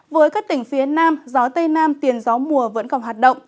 với các tỉnh phía nam gió tây nam tiền gió mùa vẫn còn hoạt động